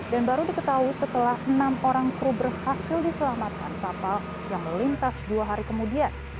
dan baru diketahui setelah enam orang kru berhasil diselamatkan kapal yang melintas dua hari kemudian